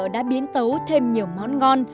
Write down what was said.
đã biến tấu thêm nhiều món ngon